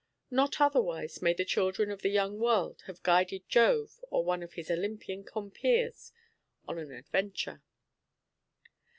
Not otherwise may the children of the young world have guided Jove or one of his Olympian compeers on an adventure.